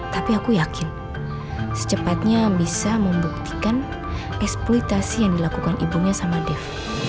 tapi aku yakin secepatnya bisa membuktikan eksploitasi yang dilakukan ibunya sama dev